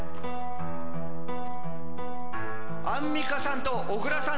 アンミカさん？小倉さん。